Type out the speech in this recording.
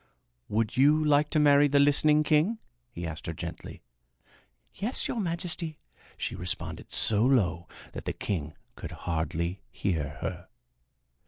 "Would you like to marry the listening king?" he asked her gently. "Yes, your majesty," she responded, so low that the king could hardly hear her.